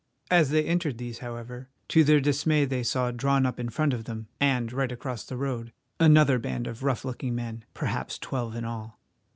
As they entered these, however, to their dismay they saw, drawn up in front of them and right across the road, another band of rough looking men, perhaps twelve in all.